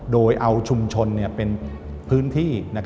โดยเอาชุมชนเป็นพื้นที่